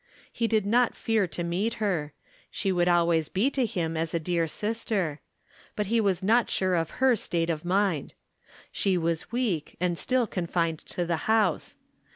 He did not fear to meet her ; she would always be to him as a dear sister ; but he was not sure of her state of mind. She was weak, and still confined to the house.